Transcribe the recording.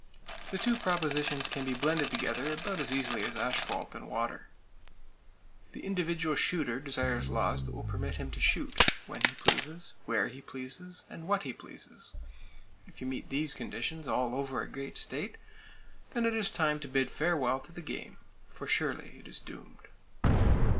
The two propositions can be blended together about as easily as asphalt and [Page 295] water. The individual shooter desires laws that will permit him to shoot—when he pleases, where he pleases, and what he pleases! If you meet those conditions all over a great state, then it is time to bid farewell to the game; for it surely is doomed.